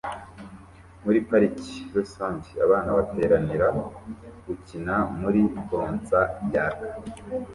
Muri parike rusange abana bateranira gukina muri bouncer yaka